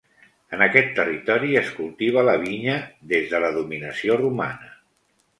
En aquest territori es cultiva la vinya des de la dominació romana.